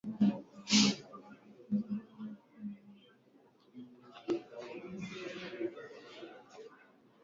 azimio liliwekwa mbele ya mkuu wa bunge